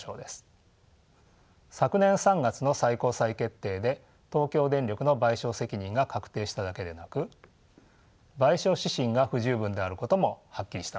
昨年３月の最高裁決定で東京電力の賠償責任が確定しただけでなく賠償指針が不十分であることもはっきりしたのです。